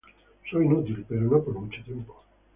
Soy inútil, pero no por mucho tiempo.